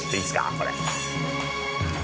これ。